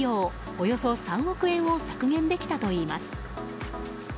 およそ３億円を削減できたといいます。